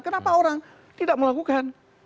kenapa orang tidak melakukan